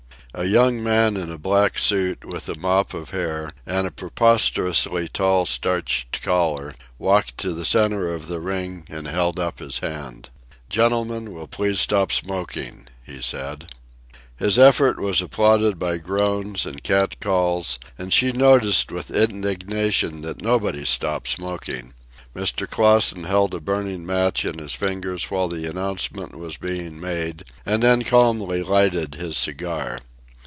A young man, in a black suit, with a mop of hair and a preposterously tall starched collar, walked to the centre of the ring and held up his hand. "Gentlemen will please stop smoking," he said. His effort was applauded by groans and cat calls, and she noticed with indignation that nobody stopped smoking. Mr. Clausen held a burning match in his fingers while the announcement was being made, and then calmly lighted his cigar.